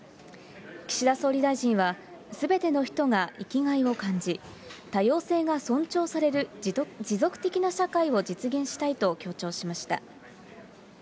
岸田総理大臣は、すべての人が生きがいを感じ、多様性が尊重される持続的な社会を実現したいと強調しました。